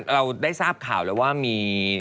เราได้ทราบข่าวว่ามี